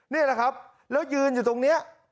นี่แหละครับแล้วยืนอยู่ตรงนี้